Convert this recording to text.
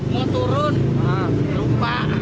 mau turun lupa